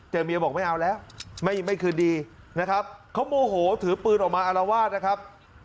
แต่เมียบอกไม่เอาแล้วไม่คืนดีนะครับเขาโมโหถือปืนออกมาอารวาสนะครับ